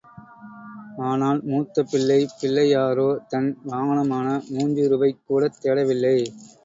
ஆனால் மூத்த பிள்ளை பிள்ளையாரோ தன் வாகனமான மூஞ்சூறுவைக் கூடத் தேடவில்லை.